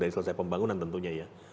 dari selesai pembangunan tentunya ya